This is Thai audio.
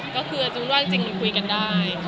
ก็คือรู้ราดจริงการคุยกันได้